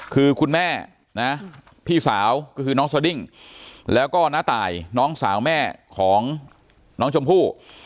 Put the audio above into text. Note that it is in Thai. คือคุณแม่นะพี่สาวก็คือน้องสดิ้งแล้วก็น้าตายน้องสาวแม่ของน้องชมพู่